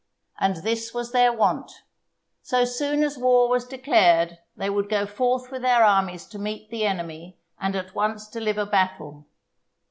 And this was their wont: So soon as war was declared they would go forth with their armies to meet the enemy and at once deliver battle.